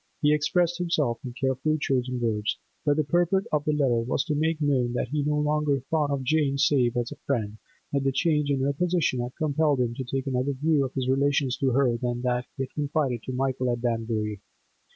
He expressed himself in carefully chosen words, but the purport of the letter was to make known that he no longer thought of Jane save as a friend; that the change in her position had compelled him to take another view of his relations to her than that he had confided to Michael at Danbury.